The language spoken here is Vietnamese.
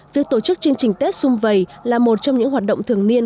việc tổ chức chương trình tết xung vầy là một trong những hoạt động thường niên